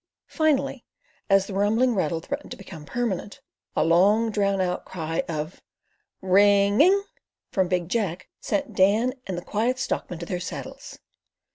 Finally, as the rumbling rattle threatened to become permanent, a long drawn out cry of "Ring—ing" from Big Jack sent Dan and the Quiet Stockman to their saddles.